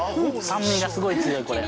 酸味がすごい強い、これ。